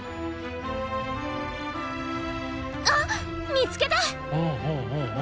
あっ見つけた！